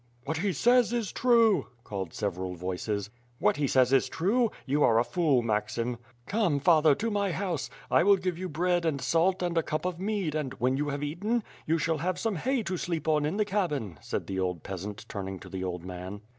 "What he says is true," called several voices. "What he says is true? You are a fool, Maxim." "Come, father, to my house! I will give you bread and salt and a cup of mead and, when you have eaten, you shall have some hay to sleep on in the cabin," said the old peasant turning to the old man.